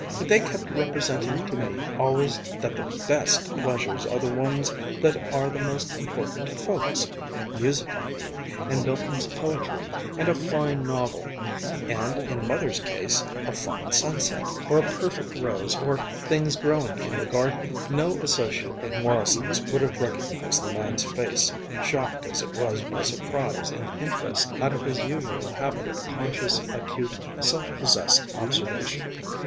They kept representing to me always that the best pleasures are the ones that are the most important to folks music, I mean, and Milton's poetry, and a fine novel and, in Mother's case, a fine sunset, or a perfect rose, or things growing in the garden." No old associate of Morrison's would have recognized the man's face, shocked as it was by surprise and interest out of his usual habit of conscious, acute, self possessed observation.